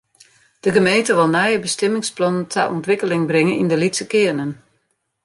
De gemeente wol nije bestimmingsplannen ta ûntwikkeling bringe yn de lytse kearnen.